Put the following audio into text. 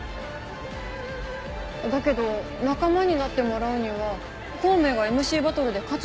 だけど仲間になってもらうには孔明がＭＣバトルで勝つのが条件だったんでしょ？